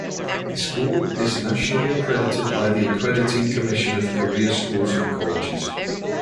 The school is nationally accredited by the Accrediting Commission of Career Schools and Colleges.